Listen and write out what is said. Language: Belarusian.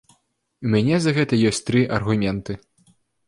У мяне за гэта ёсць тры аргументы.